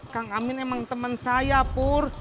kang amin emang teman saya pur